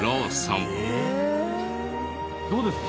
どうですか？